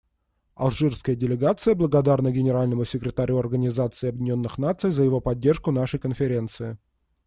Алжирская делегация благодарна Генеральному секретарю Организации Объединенных Наций за его поддержку нашей Конференции.